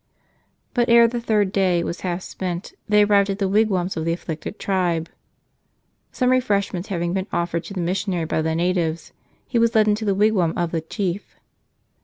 But ere the third day was half spent they arrived at the wigwams of the afflicted tribe. Some refreshments having been offered to the missionary by the natives, he was led into the wigwam of the chief.